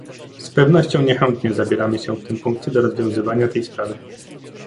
Z pewnością niechętnie zabieramy się w tym punkcie do rozwiązywania tej sprawy